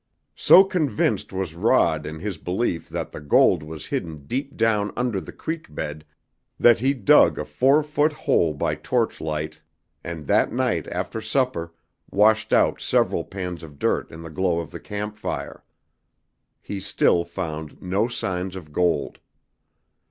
So convinced was Rod in his belief that the gold was hidden deep down under the creek bed that he dug a four foot hole by torch light and that night after supper washed out several pans of dirt in the glow of the camp fire. He still found no signs of gold.